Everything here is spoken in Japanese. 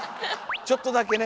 ちょっとだけね。